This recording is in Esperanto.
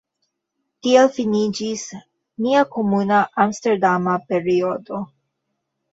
Tiel finiĝis nia komuna Amsterdama periodo.